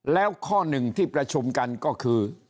แล้วข้อหนึ่งที่ประชุมกันก็คือ